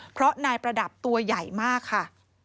เพราะนายประดับตัวใหญ่มากค่ะ